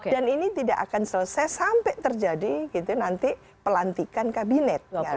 dan ini tidak akan selesai sampai terjadi nanti pelantikan kabinet